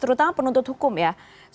terutama penuntut hukum ya